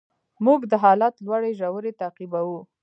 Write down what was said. موږ د حالت لوړې ژورې تعقیبوو.